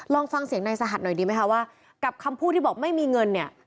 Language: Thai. ลองฟังเสียงนายสหัสหน่อยดีไหมคะว่ากับคำพูดที่บอกไม่มีเงินเนี่ย